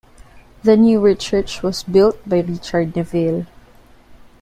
The newer church was built by Richard Neville.